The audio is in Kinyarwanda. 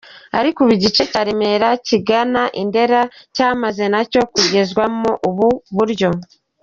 Ariko ubu igice cya Remera kigana i Ndera cyamaze nacyo kugezwamo ubu buryo.